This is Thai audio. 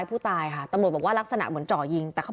ผมก็กลัวเหมือนกันว่าเขามีมีดจริงจริงเลย